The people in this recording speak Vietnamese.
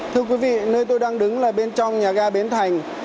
thưa quý vị nơi tôi đang đứng là bên trong nhà ga bến thành